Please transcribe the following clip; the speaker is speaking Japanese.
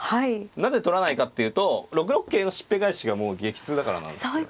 なぜ取らないかっていうと６六桂のしっぺ返しがもう激痛だからなんですよ。